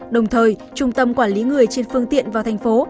đồng thời trung tâm quản lý người trên phương tiện vào thành phố